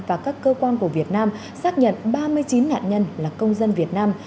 và các cơ quan của việt nam xác nhận ba mươi chín nạn nhân là công dân việt nam